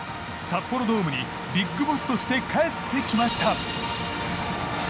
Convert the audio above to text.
札幌ドームにＢＩＧＢＯＳＳとして帰ってきました。